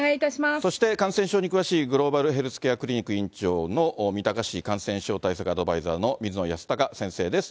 そして感染症に詳しいグローバルヘルスケアクリニック院長の、三鷹市感染症対策アドバイザーの水野泰孝先生です。